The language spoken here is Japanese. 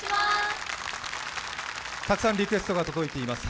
たくさんリクエストが届いています。